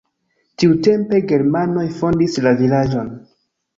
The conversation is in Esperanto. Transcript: Tiutempe germanoj fondis la vilaĝon.